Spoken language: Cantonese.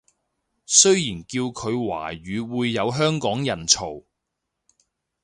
雖然叫佢華語會有香港人嘈